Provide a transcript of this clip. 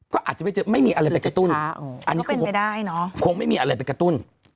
ก็อาจจะไม่มีอะไรไปกระตุ้นอันนี้เป็นไปได้เนอะคงไม่มีอะไรไปกระตุ้น